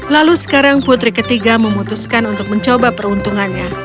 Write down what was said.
lalu sekarang putri ketiga memutuskan untuk mencoba peruntungannya